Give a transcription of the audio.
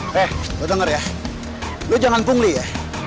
eh lo denger ya lo jangan pungli ya